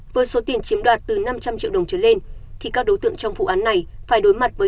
với số tiền chiếm đoạt từ năm trăm linh triệu đồng trở lên thì các đối tượng trong vụ án này phải đối mặt với